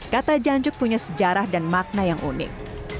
kata janjuk punya sejarah dan makna yang unik